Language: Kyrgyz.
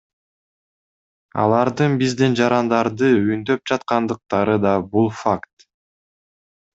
Алардын биздин жарандарды үндөп жаткандыктары да – бул факт.